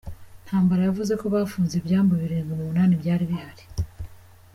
Ntambara yavuze ko bafunze ibyambu birindwi mu munani byari bihari.